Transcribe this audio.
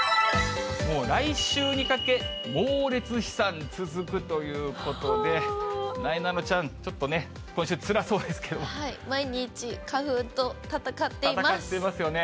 もう来週にかけ、猛烈飛散続くということで、なえなのちゃん、ちょっとね、はい、戦っていますよね。